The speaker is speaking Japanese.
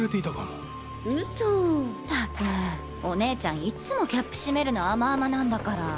お姉ちゃんいっつもキャップ閉めるの甘々なんだから。